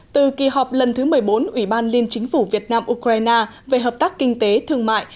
từ kỳ họp lần thứ một mươi bốn ủy ban liên chính phủ việt nam ukraine về hợp tác kinh tế thương mại